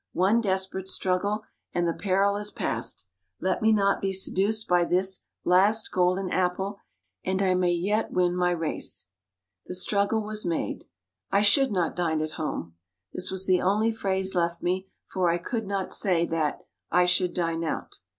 One desperate struggle, and the peril is past; let me not be seduced by this last golden apple, and I may yet win my race." The struggle was made "I should not dine at home." This was the only phrase left me, for I could not say that "I should dine out."